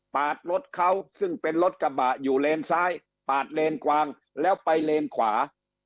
รถเขาซึ่งเป็นรถกระบะอยู่เลนซ้ายปาดเลนกวางแล้วไปเลนขวา